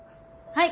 はい。